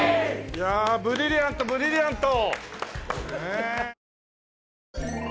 いやブリリアントブリリアント！